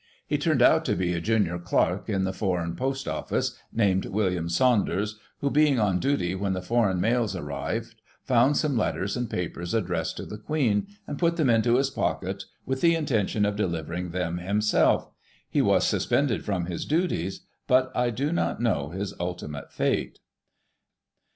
He turned out to be a junior clerk in the Foreign Post Office, named William Saunders, who, being on duty when the Foreign Mails arrived, found some letters and papers addressed to the Queen, and put them into his pocket with the intention of delivering them himself. He was suspended" from his duties, but I do not know his ultimate fate.